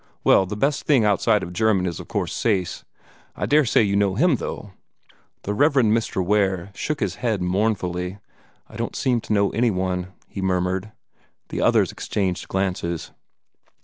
Well, the best thing outside of German of course is Sayce. I daresay you know him, though." The Rev. Mr. Ware shook his head mournfully. "I don't seem to know any one," he murmured. The others exchanged glances.